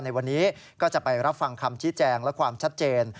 ในวันนี้ก็จะไปรับฟังคำชี้แจงและความชัดเจน